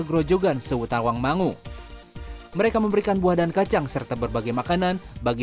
grojogan sewutawangmangu mereka memberikan buah dan kacang serta berbagai makanan bagi